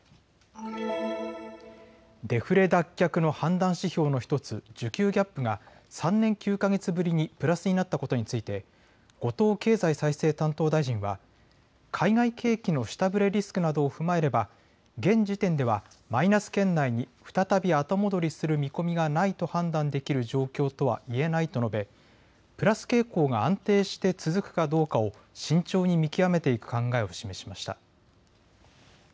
デフレ脱却の判断指標の１つ、需給ギャップが３年９か月ぶりにプラスになったことについて後藤経済再生担当大臣は海外景気の下振れリスクなどを踏まえれば現時点ではマイナス圏内に再び後戻りする見込みがないと判断できる状況とは言えないと述べ、プラス傾向が安定して続くかどうかを慎重に見極めていく考えを示しました。